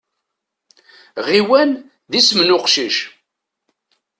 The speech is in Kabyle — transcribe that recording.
Ɣiwan d isem n uqcic.